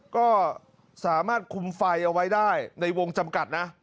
ก็สามารถคุมไฟเอาไว้ได้ในวงจำกัดนะ